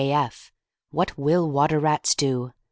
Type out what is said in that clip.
A.F. WHAT WILL WATER RATS DO?